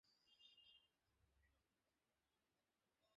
পরে দরজা ভেঙে ফ্যানের সঙ্গে ওড়না দিয়ে ঝুলন্ত অবস্থায় জিদনিকে দেখতে পান।